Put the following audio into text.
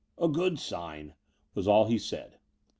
'*A good sign," was all he said.